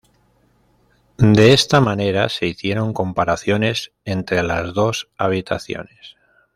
De esta manera se hicieron comparaciones entre las dos habitaciones.